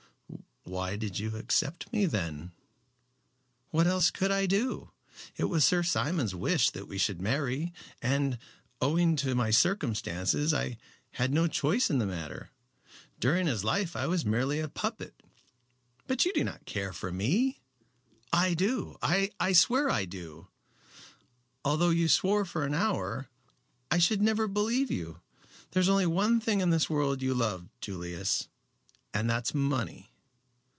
"Why did you accept me then?" "What else could I do? It was Sir Simon's wish that we should marry, and, owing to my circumstances, I had no choice in the matter. During his life I was merely a puppet. But you do not care for me." "I do. I swear I do." "Although you swore for an hour, I should never believe you. There is only one thing in this world you love, Julius, and that is money.